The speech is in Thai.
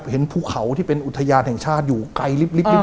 ภูเขาที่เป็นอุทยานแห่งชาติอยู่ไกลลิฟ